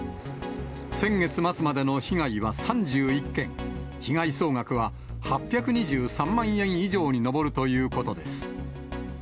先月末までの被害は３１件、被害総額は８２３万円以上に上るということです。